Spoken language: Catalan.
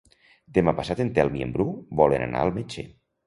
Demà passat en Telm i en Bru volen anar al metge.